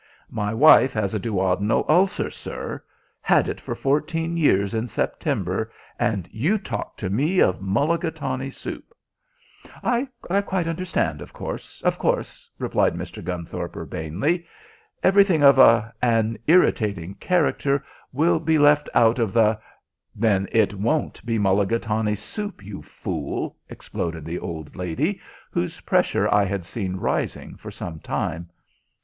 My wife has a duodenal ulcer, sir. Had it for fourteen years in September, and you talk to me of mulligatawny soup." "I quite understand, of course, of course," replied Mr. Gunthorpe urbanely. "Everything of a an irritating character will be left out of the " "Then it won't be mulligatawny soup, you fool!" exploded the old lady, whose pressure I had seen rising for some time.